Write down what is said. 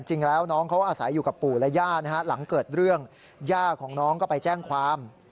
จริงแล้วน้องเขาอาศัยอยู่กับปู่และย่านะฮะหลังเกิดเรื่องย่าของน้องก็ไปแจ้งความ